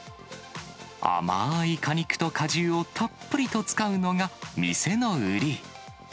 甘ーい果肉と果汁をたっぷりと使うのが、店の売り。